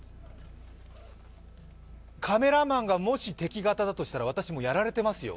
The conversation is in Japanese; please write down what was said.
カメラマンがもし敵方だとしたら私、もうやられてますよ。